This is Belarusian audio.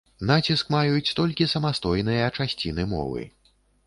Націск маюць толькі самастойныя часціны мовы.